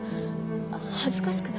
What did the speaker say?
恥ずかしくないの？